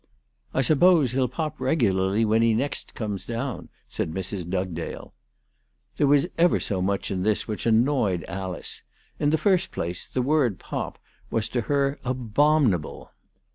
" I suppose he'll pop regularly when he next comes down," said Mrs. Dugdale. There was ever so much in this which annoyed Alice. In the first place, the word " pop" was to her abomin able.